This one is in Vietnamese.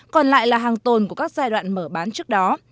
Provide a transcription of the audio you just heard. còn lại là hàng tồn của các giai đoạn mở bán trước đó